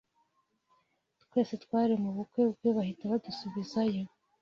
Twese twari mubukwe bwe bahita badusubiza yo